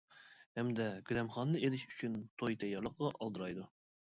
ھەمدە گۈلەمخاننى ئېلىش ئۈچۈن، توي تەييارلىقىغا ئالدىرايدۇ.